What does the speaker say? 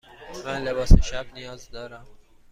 من لباس شب نیاز دارم.